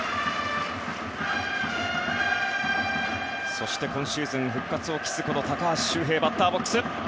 そして今シーズン復活を期す高橋がバッターボックス。